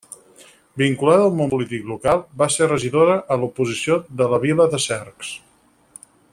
Vinculada al món polític local, va ser regidora a l'oposició de la vila de Cercs.